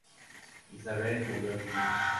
Isabel murió sin hijos.